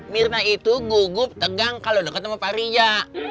mirna itu gugup tegang kalau deket sama pak riya